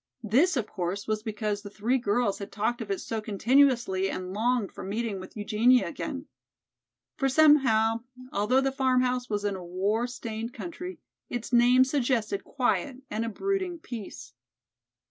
This, of course, was because the three girls had talked of it so continuously and the longed for meeting with Eugenia again. For somehow, although the farmhouse was in a war stained country, its name suggested quiet and a brooding peace.